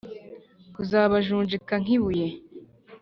kuzabajunjika nk’ibuye.